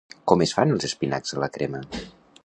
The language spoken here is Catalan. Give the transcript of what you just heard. Com es fan els espinacs a la crema?